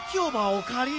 おかり。